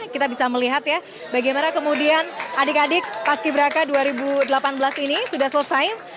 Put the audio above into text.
kita bisa melihat ya bagaimana kemudian adik adik paski braka dua ribu delapan belas ini sudah selesai